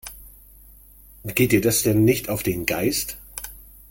Geht dir das nicht auf den Geist?